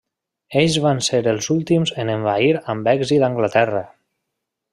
Ells van ser els últims a envair amb èxit Anglaterra.